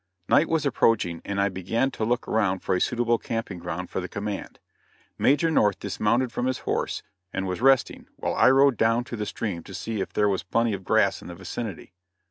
Night was approaching, and I began to look around for a suitable camping ground for the command. Major North dismounted from his horse and was resting, while I rode down to the stream to see if there was plenty of grass in the vicinity.